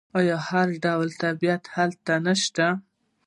آیا هر ډول طبیعت هلته نشته؟